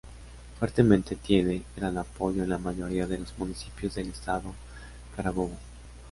Fuertemente tiene gran apoyo en la mayoría de los municipios del estado Carabobo.